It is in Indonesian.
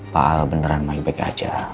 pak alan beneran baik baik aja